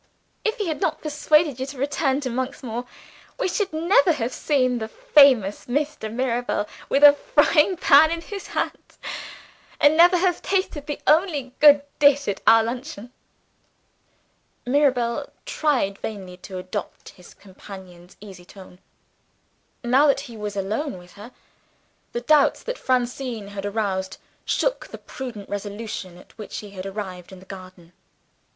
"If he had not persuaded you to return to Monksmoor, we should never have seen the famous Mr. Mirabel with a frying pan in his hand, and never have tasted the only good dish at our luncheon." Mirabel tried vainly to adopt his companion's easy tone. Now that he was alone with her, the doubts that Francine had aroused shook the prudent resolution at which he had arrived in the garden.